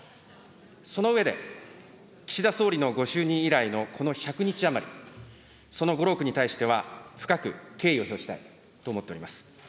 その上で、岸田総理のご就任以来のこの１００日余り、そのご苦労に対しては深く敬意を表したいと思っています。